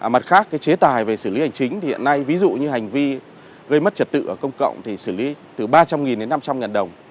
mặt khác cái chế tài về xử lý hành chính thì hiện nay ví dụ như hành vi gây mất trật tự ở công cộng thì xử lý từ ba trăm linh đến năm trăm linh đồng